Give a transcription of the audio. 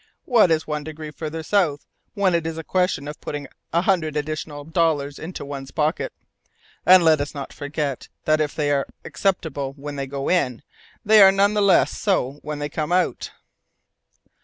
What is one degree farther south, when it is a question of putting a hundred additional dollars into one's pocket? And let us not forget that if they are acceptable when they go in, they are none the less so when they come out!"